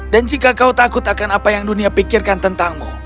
dan jika kau takut akan apa yang dunia pikirkan tentangmu